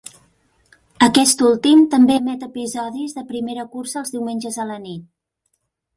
Aquest últim també emet episodis de primera cursa els diumenges a la nit.